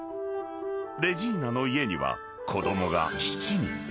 ［レジーナの家には子供が７人］